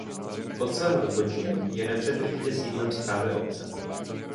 Od svého dokončení je nepřetržitě sídlem správy obce.